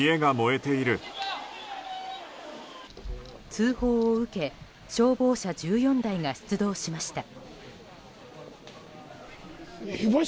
通報を受け消防車１４台が出動しました。